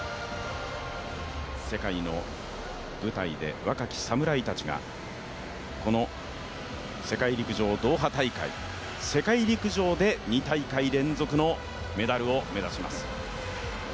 世界の舞台で若き侍たちが、この世界陸上ドーハ大会、世界陸上で２大会連続のメダルを目指します。